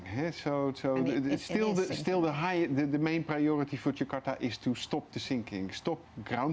jadi masih ada prioritas utama untuk jakarta adalah untuk menghentikan penurunan